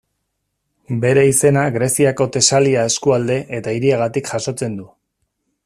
Bere izena Greziako Tesalia eskualde eta hiriagatik jasotzen du.